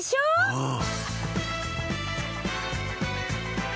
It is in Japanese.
うん。